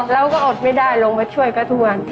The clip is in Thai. เราก็อดไม่ได้ลงมาช่วยก็โทษ